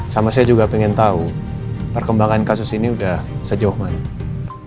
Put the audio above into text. sama saya juga ingin tahu perkembangan kasus ini sudah sejauh mana